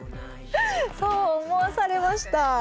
そう思わされました。